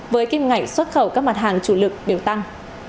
với kim ngạch xuất khẩu các mặt hàng chủ lực biểu tăng